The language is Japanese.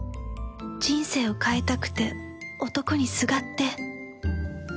人生を変えたくて男にすがって